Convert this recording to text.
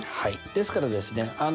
ですからですね